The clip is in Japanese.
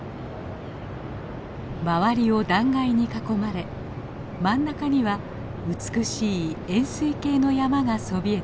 周りを断崖に囲まれ真ん中には美しい円すい形の山がそびえています。